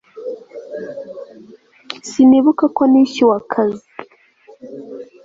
sinibuka ko nishyuwe akazi